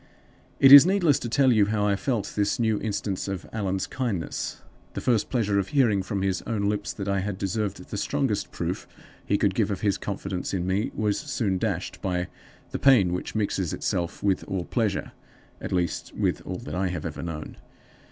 "It is needless to tell you how I felt this new instance of Allan's kindness. The first pleasure of hearing from his own lips that I had deserved the strongest proof he could give of his confidence in me was soon dashed by the pain which mixes itself with all pleasure at least, with all that I have ever known.